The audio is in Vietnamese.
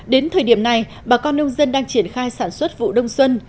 đến thời điểm này bà con nông dân đang triển khai sản xuất vụ đông xuân